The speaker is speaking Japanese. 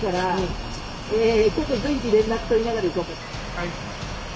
はい。